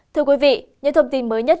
thưa quý vị những thông tin mới nhất